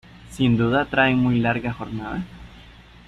¿ sin duda traen muy larga jornada?